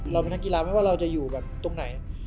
เราเป็นท่านกีฬาไม่ว่าจะอยู่ตรงไหน